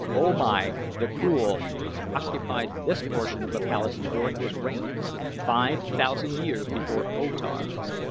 O Mai the Cruel occupied this portion of the palace during his reign, five thousand years before O Tar.